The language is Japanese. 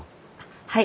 はい。